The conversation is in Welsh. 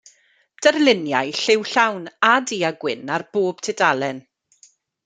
Darluniau lliw-llawn a du-a-gwyn ar bob tudalen.